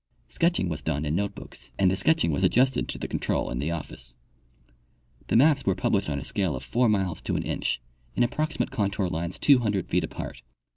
Sketching was done in note books, and the .sketching was adjusted to the control in the office. The maps were published on a scale of 4 miles to an inch, in approximate contour lines 200 feet apart.